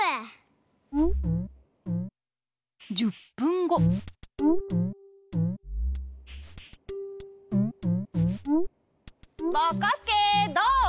１０ぷんごぼこすけどう？